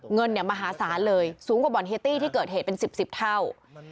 เงินมหาศาลเลยสูงกว่าบ่อนเฮตี้ที่เกิดเหตุเป็น๑๐๑๐เท่า